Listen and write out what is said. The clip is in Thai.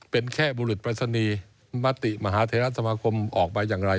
เป็นแค่บุรุษปรายศนีย์มติมหาเทราสมาคมออกมาอย่างไร